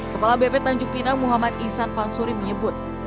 kepala bp tanjung pinang muhammad ihsan vansuri menyebut